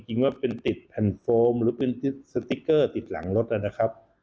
จริงว่าเป็นติดแผ่นโฟมหรือเป็นสติ๊กเกอร์ติดหลังรถนะครับ